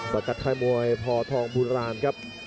สกัดไทยมวยพอทองบูราณครับ